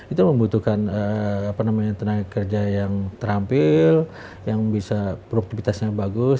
itu membutuhkan tenaga kerja yang terampil yang bisa produktivitasnya bagus